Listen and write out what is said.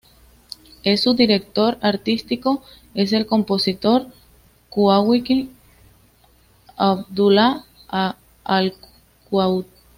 Es su director artístico, es el compositor kuwaití Abdullah Al-Qa'ud.